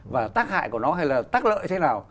và tác hại của nó hay là tác lợi thế nào